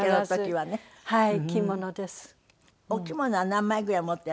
はい。